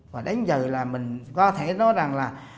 và đến giờ là mình có thể nói rằng là